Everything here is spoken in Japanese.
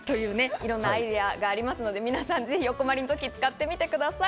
いろんなアイデアがありますので、皆さんぜひお困りのとき使ってみてください。